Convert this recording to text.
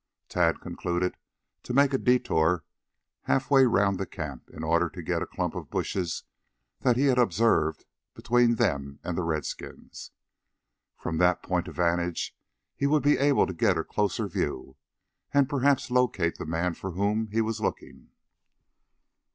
Tad concluded to make a detour half way round the camp in order to get a clump of bushes that he had observed between them and the redskins. From that point of vantage he would be able to get a closer view, and perhaps locate the man for whom he was looking.